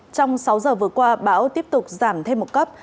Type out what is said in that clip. trong sáu giờ vừa qua bão tiếp tục giảm thêm một cấp